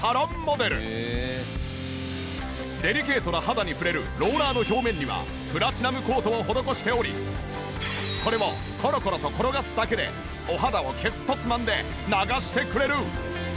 デリケートな肌に触れるローラーの表面にはプラチナムコートを施しておりこれをコロコロと転がすだけでお肌をキュッとつまんで流してくれる。